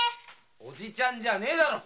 「おじちゃん」じゃねえだろ‼